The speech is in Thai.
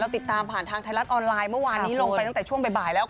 ติดตามผ่านทางไทยรัฐออนไลน์เมื่อวานนี้ลงไปตั้งแต่ช่วงบ่ายแล้ว